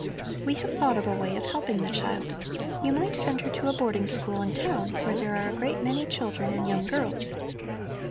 "We have thought of a way of helping the child. You might send her to a boarding school in town where there are a great many children and young girls.